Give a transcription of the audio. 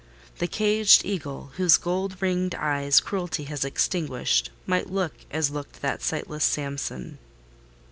The caged eagle, whose gold ringed eyes cruelty has extinguished, might look as looked that sightless Samson.